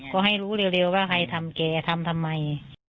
ก็ให้รู้เร็วว่าใครทำแกทำทำไม